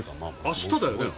明日だよね。